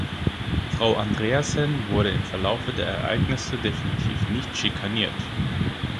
Frau Andreasen wurde im Verlaufe der Ereignisse definitiv nicht schikaniert.